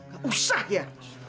gak usah ya